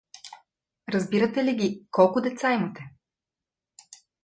Разбирате ли ги, колко деца имате?